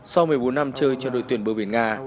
sau một mươi bốn năm chơi cho đội tuyển bờ biển nga